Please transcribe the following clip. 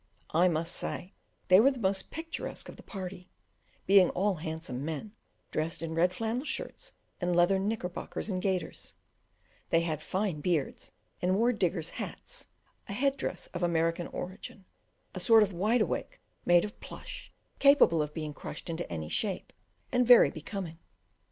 I must say, they were the most picturesque of the party, being all handsome men, dressed in red flannel shirts and leathern knickerbockers and gaiters; they had fine beards, and wore "diggers' hats," a head dress of American origin a sort of wide awake made of plush, capable of being crushed into any shape, and very becoming.